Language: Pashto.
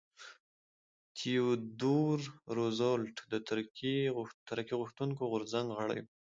تیودور روزولټ د ترقي غوښتونکي غورځنګ غړی و.